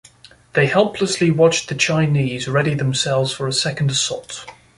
They helplessly watched the Chinese ready themselves for a second assault.